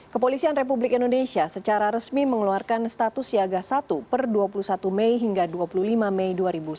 kepolisian republik indonesia secara resmi mengeluarkan status siaga satu per dua puluh satu mei hingga dua puluh lima mei dua ribu sembilan belas